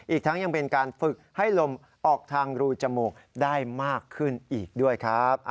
อีกทั้งยังเป็นการฝึกให้ลมออกทางรูจมูกได้มากขึ้นอีกด้วยครับ